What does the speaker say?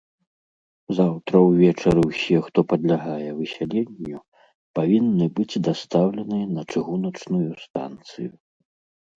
Заўтра ўвечары ўсе, хто падлягае высяленню, павінны быць дастаўлены на чыгуначную станцыю.